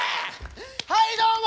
はいどうも！